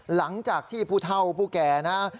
หลังจากที่ผู้เท่าผู้แก่นะ